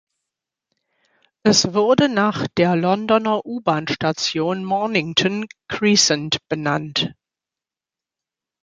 Es wurde nach der Londoner U-Bahn-Station Mornington Crescent benannt.